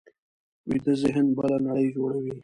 ویده ذهن بله نړۍ جوړوي